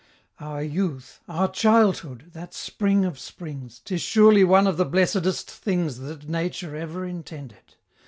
Our youth! our childhood! that spring of springs! 'Tis surely one of the blessedest things That nature ever intended!